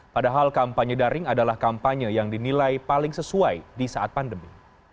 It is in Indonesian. padahal kampanye daring adalah kampanye yang dinilai paling sesuai di saat pandemi